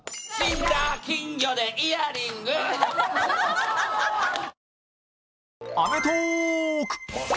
「金魚でイヤリング」ハハハハ！